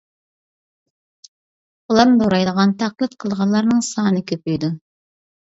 ئۇلارنى دورايدىغان، تەقلىد قىلىدىغانلارنىڭ سانى كۆپىيىدۇ.